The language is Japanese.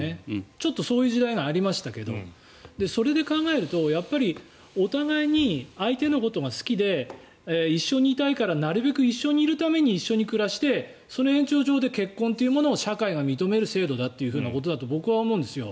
ちょっとそういう時代がありましたけどそれで考えると、やっぱりお互いに相手のことが好きで一緒にいたいからなるべく一緒にいるために一緒に暮らしてその延長上で結婚というものを社会が認める制度だと僕は思うんですよ